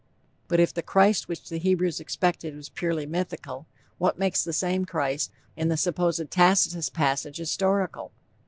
But if the 'Christ' which the Hebrews expected was "purely mythical," what makes the same 'Christ' in the supposed Tacitus passage historical?